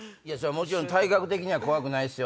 もちろん体格的には怖くないっすよ。